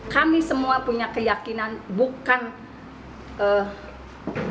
kami semua punya keyakinan bukan